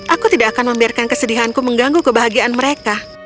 aku tidak akan membiarkan kesedihanku mengganggu kebahagiaan mereka